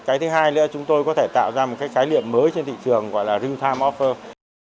cái thứ hai nữa chúng tôi có thể tạo ra một cái khái niệm mới trên thị trường gọi là real time offer